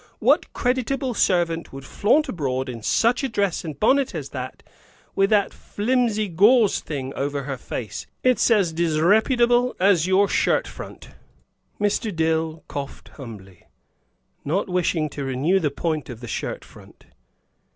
What creditable servant would flaunt abroad in such a dress and bonnet as that, with that flimsy gauze thing over her face. It's as disreputable as your shirt front." Mr. Dill coughed humbly, not wishing to renew the point of the shirt front.